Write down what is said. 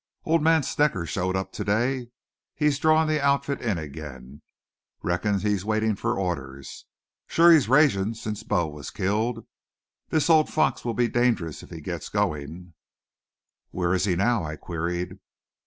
Old man Snecker showed up to day. He's drawin' the outfit in again. Reckon he's waitin' for orders. Sure he's ragin' since Bo was killed. This old fox will be dangerous if he gets goin'." "Where is he now?" I queried.